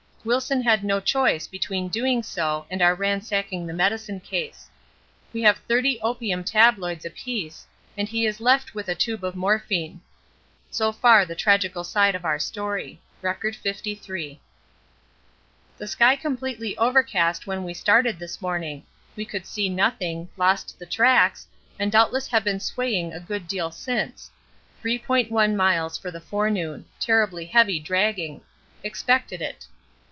Wilson had no choice between doing so and our ransacking the medicine case. We have 30 opium tabloids apiece and he is left with a tube of morphine. So far the tragical side of our story. (R. 53.) The sky completely overcast when we started this morning. We could see nothing, lost the tracks, and doubtless have been swaying a good deal since 3.1 miles for the forenoon terribly heavy dragging expected it.